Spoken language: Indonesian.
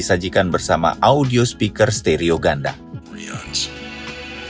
pada kamera depan kamera selfie delapan mp dengan bukaan f dua